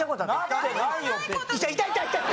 痛い痛い